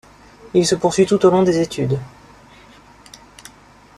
Il se poursuit tout au long des études.